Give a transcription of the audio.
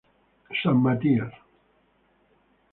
San Matias.